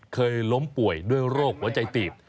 เคยล้มป่วยด้วยโรคหัวใจตีบ